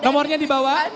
nomornya di bawah